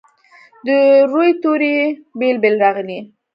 د روي توري یې بیل بیل راغلي.